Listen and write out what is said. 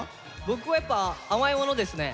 僕はやっぱ甘いものですね。